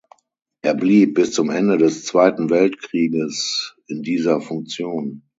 Er blieb bis zum Ende des Zweiten Weltkrieges in dieser Funktion.